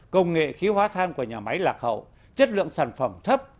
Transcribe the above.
công nghệ khí hóa thang của nhà máy lạc hậu chất lượng sản phẩm thấp